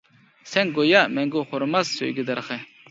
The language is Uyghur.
سەن گويا مەڭگۈ خورىماس سۆيگۈ دەرىخى.